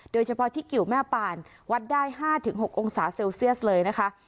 โดยเฉพาะที่กิวแม่ปานวัดได้๕๖องศาเซลเซียสเลยนะคะ